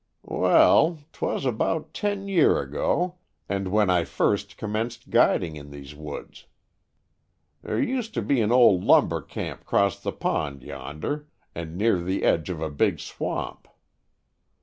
"Wal, 'twas about ten year 'go, and when I first commenced guiding in these woods. There uster be an old lumber camp 'cross the pond yonder, and near the edge of a big swamp.